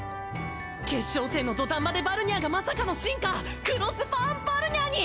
決勝戦の土壇場でバルニャーがまさかの進化クロスバーン・バルニャーに！